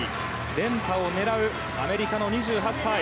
連覇を狙うアメリカの２８歳。